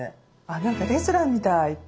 何かレストランみたいって。